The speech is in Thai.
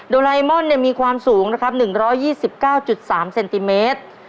โดราเอมอนเนี่ยมีความสูงนะครับ๑๒๙๓เซนติเมตร